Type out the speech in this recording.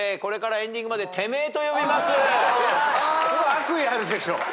悪意あるでしょ！？